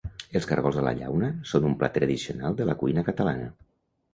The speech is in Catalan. Els cargols a la llauna són un plat tradicional de la cuina catalana.